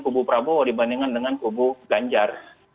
kubu prabowo dibandingkan dengan kubu ganjar